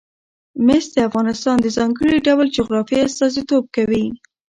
مس د افغانستان د ځانګړي ډول جغرافیه استازیتوب کوي.